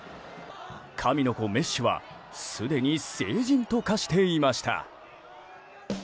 神の子メッシはすでに聖人と化していました。